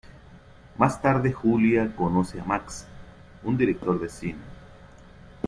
Más tarde Julia conoce a Max, un director de cine.